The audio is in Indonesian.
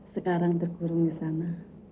sekarang terkurung di sana